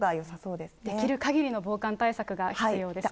できるかぎりの防寒対策が必要ですね。